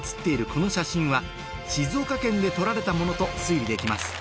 この写真は静岡県で撮られたものと推理できます